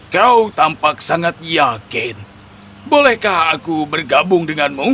kau tampak sangat yakin bolehkah aku bergabung denganmu